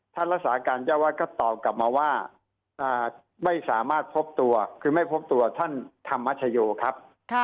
รักษาการเจ้าวาดก็ตอบกลับมาว่าไม่สามารถพบตัวคือไม่พบตัวท่านธรรมชโยครับ